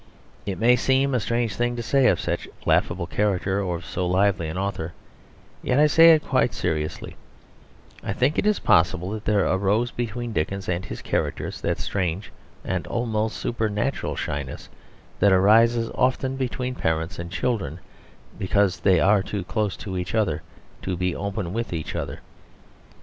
It may seem a strange thing to say of such laughable characters and of so lively an author, yet I say it quite seriously; I think it possible that there arose between Dickens and his characters that strange and almost supernatural shyness that arises often between parents and children; because they are too close to each other to be open with each other.